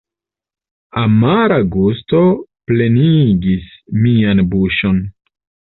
Amara gusto plenigis mian buŝon.